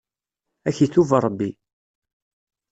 Ad k-itub Ṛebbi.